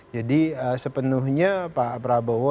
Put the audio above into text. jadi sepenuhnya pak prabowo